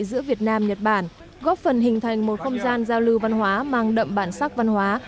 giữa việt nam nhật bản góp phần hình thành một không gian giao lưu văn hóa mang đậm bản sắc văn hóa